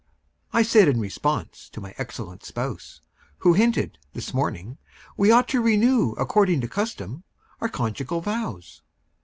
I said in response to my excellent spouse, Who hinted, this morning, we ought to renew According to custom, our conjugal vows.